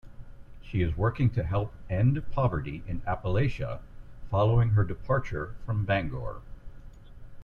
She is working to help end poverty in Appalachia following her departure from Bangor.